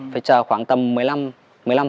phải chờ khoảng tầm một mươi năm